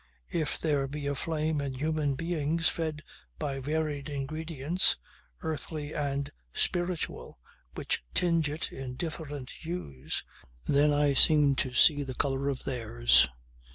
If there be a flame in human beings fed by varied ingredients earthly and spiritual which tinge it in different hues, then I seem to see the colour of theirs.